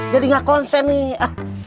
jadi gak konsen nih